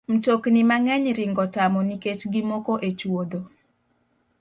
Mtokni mang'eny ringo tamo nikech gimoko e chwodho.